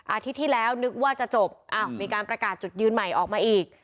อาทิตย์ที่แล้วนึกว่าจะจบอ้าวมีการประกาศจุดยืนใหม่ออกมาอีก